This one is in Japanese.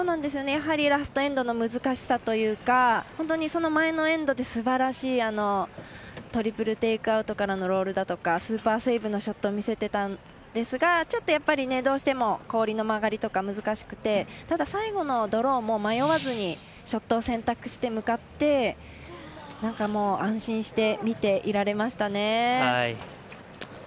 やはり、ラストエンドの難しさというか、本当に前のエンドですばらしいトリプルテイクアウトからのロールだとかスーパーセーブのショットを見せていたんですがちょっと、どうしても氷の曲がりとか難しくて、ただ最後のドローも迷わずにショットを選択して向かって安心して見ていられましたね。